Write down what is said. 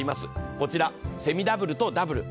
こちら、セミダブルとダブル。